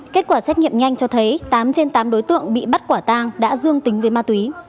kết quả xét nghiệm nhanh cho thấy tám trên tám đối tượng bị bắt quả tang đã dương tính với ma túy